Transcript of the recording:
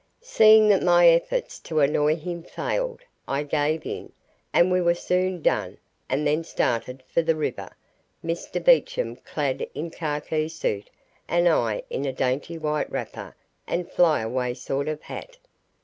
Seeing that my efforts to annoy him failed, I gave in, and we were soon done, and then started for the river Mr Beecham clad in a khaki suit and I in a dainty white wrapper and flyaway sort of hat.